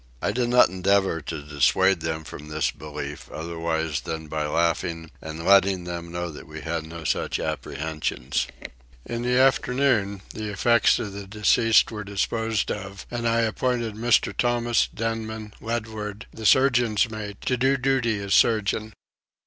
I did not endeavour to dissuade them from this belief otherwise than by laughing and letting them know that we had no such apprehensions. In the afternoon the effects of the deceased were disposed of and I appointed Mr. Thomas Denman Ledward the surgeon's mate to do duty as surgeon.